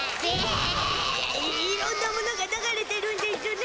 いろんなものが流れてるんでしゅね